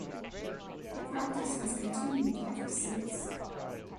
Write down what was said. The practice has continued ever since.